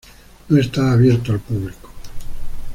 No está abierto al público.